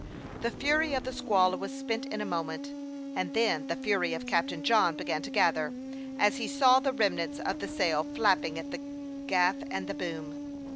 The fury of the squall was spent in a moment, and then the fury of Captain John began to gather, as he saw the remnants of the sail flapping at the gaff and the boom.